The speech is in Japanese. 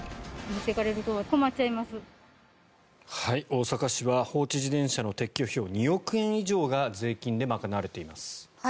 大阪市は放置自転車の撤去費用２億円以上が税金で賄われています。